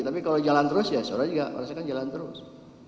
tapi kalau jalan terus ya saudara juga merasakan jalan terus